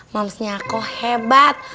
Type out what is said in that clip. mamsnya aku hebat